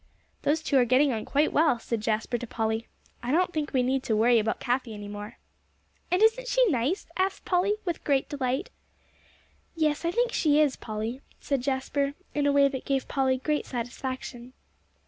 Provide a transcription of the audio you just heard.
"Those two are getting on quite well," said Jasper to Polly. "I don't think we need to worry about Cathie any more." "And isn't she nice?" asked Polly, in great delight. "Yes, I think she is, Polly," said Jasper, in a way that gave Polly great satisfaction.